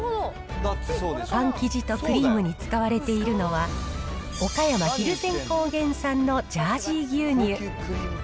パン生地とクリームに使われているのは、岡山・蒜山高原産のジャージー牛乳。